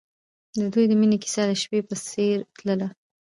د دوی د مینې کیسه د شپه په څېر تلله.